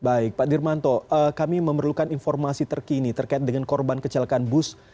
baik pak dirmanto kami memerlukan informasi terkini terkait dengan korban kecelakaan bus